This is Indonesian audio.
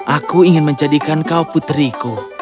aku ingin menjadikan kau putriku